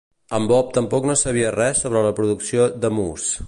En Bob tampoc no sabia res sobre la producció d'"emús".